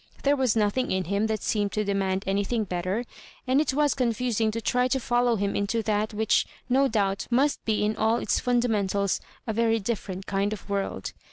There was nothing in him that seemed to demand anything better, and it was confusing to try to follow him into that which, no doubt, must be in all its fundamentals a very different kind of world.